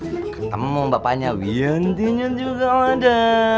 ketemu bapaknya wianti nya juga ada